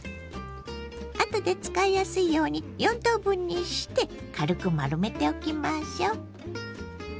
あとで使いやすいように４等分にして軽く丸めておきましょう。